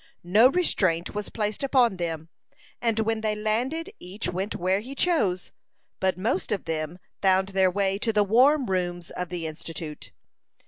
No restraint was placed upon them, and when they landed each went where he chose, but most of them found their way to the warm rooms of the Institute.